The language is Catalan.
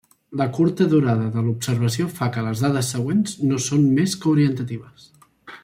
La curta durada de l'observació fa que les dades següents no són més que orientatives.